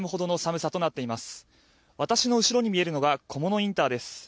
私の後ろに見えるのが菰野インターです